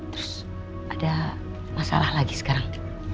terus ada masalah lagi sekarang